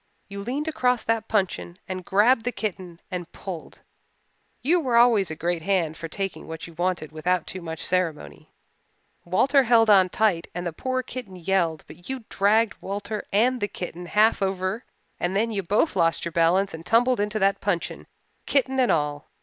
You leaned across that puncheon and grabbed the kitten and pulled. You were always a great hand for taking what you wanted without too much ceremony. Walter held on tight and the poor kitten yelled but you dragged Walter and the kitten half over and then you both lost your balance and tumbled into that puncheon, kitten and all.